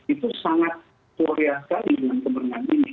itu sangat korea sekali dengan kemenangan ini